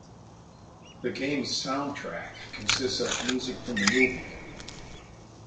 The game's soundtrack consists of music from the movie.